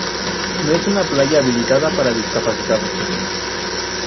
No es una playa habilitada para discapacitados.